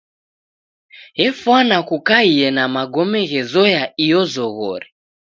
Efwana kukaie na magome ghezoya iyo zoghori.